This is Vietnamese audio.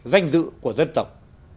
danh dự của dân tộc